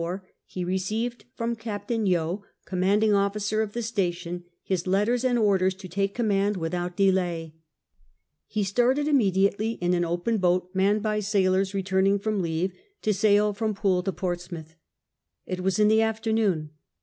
On January 24th, 1794, he received from Captain' Yeo, commanding officer of the station, his letters and orders to take command without delay. He started immediately in an open boat, manned by sailors return ing from leave, to sail from Poole to Portsmouth. It was in the afternoon.